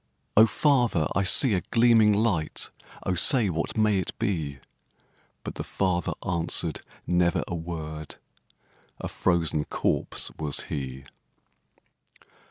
'O father! I see a gleaming light, O say, what may it be?' But the father answered never a word, A frozen corpse was he.